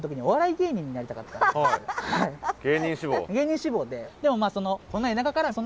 芸人志望で。